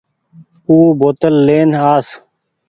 او بوتل لين آس